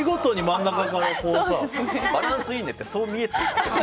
バランスいいねってそう見えてるだけです。